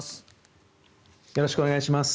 よろしくお願いします。